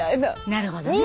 なるほどね。